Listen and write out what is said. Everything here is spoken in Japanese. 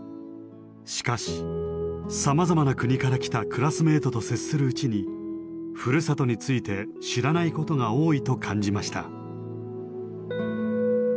しかしさまざまな国から来たクラスメートと接するうちにふるさとについて知らないことが多いと感じました。